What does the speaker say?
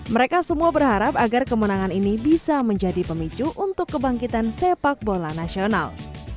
mereka semua berharap agar kemenangan ini bisa menjadi pemicu untuk kebangkitan sepak bola nasional